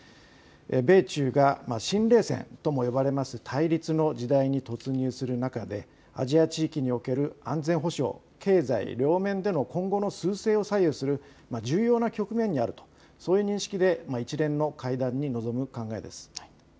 米中が新冷戦とも呼ばれます対立の時代に突入する中でアジア地域における安全保障、経済両面での今後のすう勢を左右する重要な局面にある、そういう認識で一連の会談に臨む考えです。